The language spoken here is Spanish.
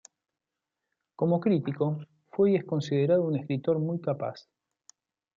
Como crítico, fue y es considerado como un escritor muy capaz.